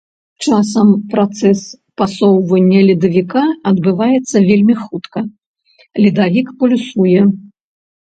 Часам працэс пасоўвання ледавіка адбываецца вельмі хутка, ледавік пульсуе.